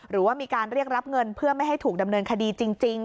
หรือว่ามีการเรียกรับเงินเพื่อไม่ให้ถูกดำเนินคดีจริง